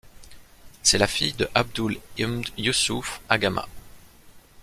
C'est la fille de Abdul Ibn Yusuf Agama.